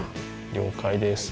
了解です。